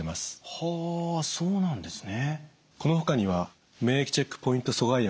はあそうなんですね。